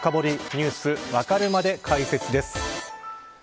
Ｎｅｗｓわかるまで解説です。